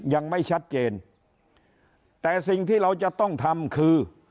ยังไม่ชัดเจนแต่สิ่งที่เราจะต้องทำคือ